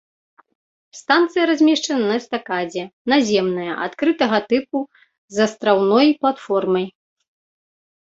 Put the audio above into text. Станцыя размешчана на эстакадзе, наземная адкрытага тыпу з астраўной платформай.